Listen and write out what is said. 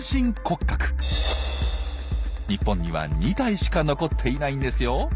日本には２体しか残っていないんですよ。